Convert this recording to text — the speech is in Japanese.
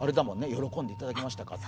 「喜んでいただけましたか？」